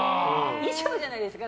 衣装じゃないですか。